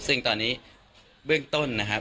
ซึ่งตอนนี้เบื้องต้นนะครับ